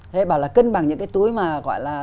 thế bảo là cân bằng những cái túi mà gọi là